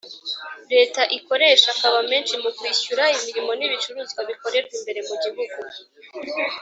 leta ikoresha akaba menshi mu kwishyura imirimo n'ibicuruzwa bikorerwa imbere mu gihugu,